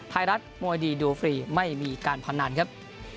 ไทยรัฐมวยดีดูฟรีไม่มีการพนันครับ